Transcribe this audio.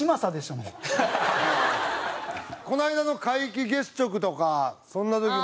この間の皆既月食とかそんな時も。